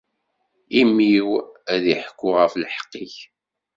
Imi-w ad iḥekku ɣef lḥeqq-ik.